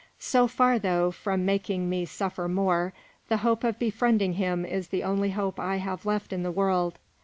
So far, though, from making me suffer more, the hope of befriending him is the only hope I have left in the world.